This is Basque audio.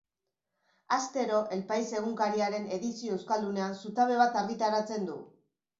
Astero El Pais egunkariaren edizio euskaldunean zutabe bat argitaratzen du.